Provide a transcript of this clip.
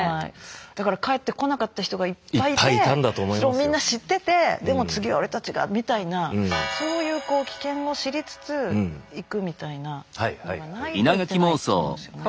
だから帰ってこなかった人がいっぱいいてそれをみんな知っててでも次は俺たちがみたいなそういう危険を知りつつ行くみたいなのがないと行ってないと思うんですよね。